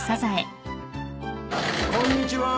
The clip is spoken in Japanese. ・・こんにちはー！